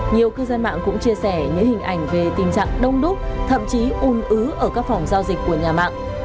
nhiều cư dân mạng cũng chia sẻ những hình ảnh về tình trạng đông đúc thậm chí un ứ ở các phòng giao dịch của nhà mạng